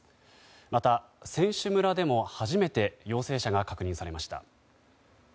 また、選手村でも初めて陽性者が確認されました。